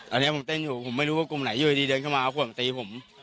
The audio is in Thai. อันนี้ผมเต้นอยู่ผมไม่รู้ว่ากลุ่มไหนอยู่ดีเดินเข้ามาเอาขวดมาตีผม